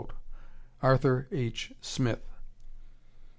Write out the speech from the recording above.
(Arthur H. Smith.)